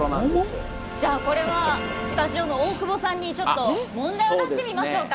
じゃあこれはスタジオの大久保さんにちょっと問題を出してみましょうか。